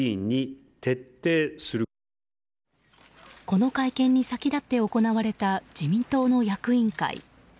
この会見に先立って行われた自民党の役員会。